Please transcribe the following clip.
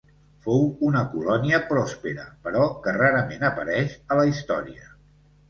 Fou una colònia pròspera però que rarament apareix a la història.